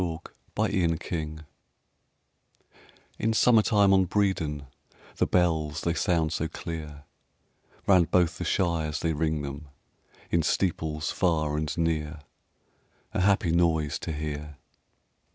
XXI BREDON HILL (1) In summertime on Bredon The bells they sound so clear; Round both the shires they ring them In steeples far and near, A happy noise to hear.